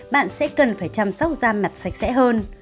bạn sẽ cần phải chăm sóc da mặt sạch sẽ hơn